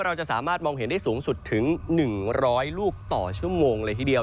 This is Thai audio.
เราจะสามารถมองเห็นได้สูงสุดถึง๑๐๐ลูกต่อชั่วโมงเลยทีเดียว